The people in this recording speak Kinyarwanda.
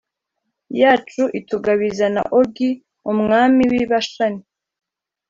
yacu itugabiza na Ogi umwami w i Bashani